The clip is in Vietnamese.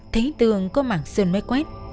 thấy tường có mảng sườn mấy quét